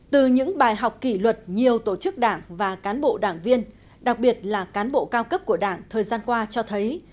từ những bài học kỷ luật nhiều tổ chức đảng và cán bộ đảng viên đặc biệt là cán bộ cao cấp của đảng thời gian qua cho thấy